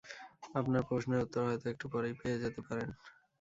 আপনার প্রশ্নের উত্তর হয়তো একটু পরেই পেয়ে যেতে পারেন।